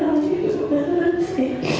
hal begitu dengan terhadap istri